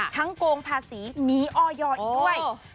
ทั้งโกงภาษีหนีออยอออีกด้วย